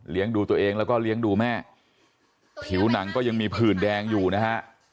ดูตัวเองแล้วก็เลี้ยงดูแม่ผิวหนังก็ยังมีผื่นแดงอยู่นะฮะ